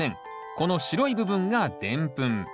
この白い部分がでんぷん。